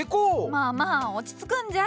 まあまあ落ち着くんじゃ。